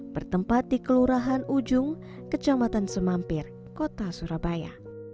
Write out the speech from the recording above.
bertempat di kelurahan ujung kecamatan semampir kota surabaya